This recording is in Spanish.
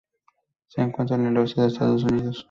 Se encuentra en el este de Estados Unidos.